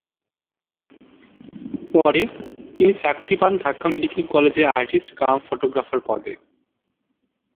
পরে তিনি চাকরি পান ঢাকা মেডিকেল কলেজে আর্টিস্ট কাম ফটোগ্রাফার পদে।